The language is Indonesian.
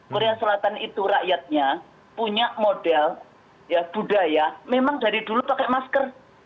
korea selatan itu rakyatnya punya model budaya memang dari dulu pakai masker